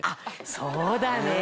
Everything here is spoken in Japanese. そうだね。